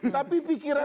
tapi pikiran lu apa